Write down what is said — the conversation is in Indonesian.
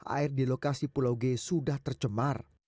air di lokasi pulau g sudah tercemar